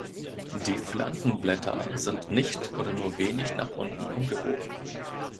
Die Flankenblätter sind nicht oder nur wenig nach unten umgebogen.